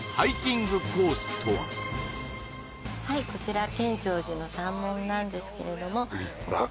はいこちら建長寺の三門なんですけれども立派！